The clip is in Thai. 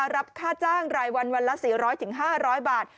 รับค่าจ้างรายวันวันละ๔๐๐๕๐๐บาท